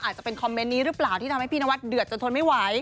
อาจจะเป็นคอมเมนต์นี้หรือเปล่าที่ทำให้พี่นวัดเดือดจนทนไม่ไหว